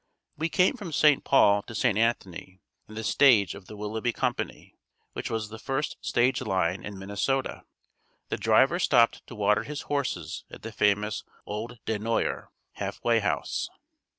We came from St. Paul to St. Anthony in the stage of the Willoughby Company, which was the first stage line in Minnesota. The driver stopped to water his horses at the famous old Des Noyer "Half Way House."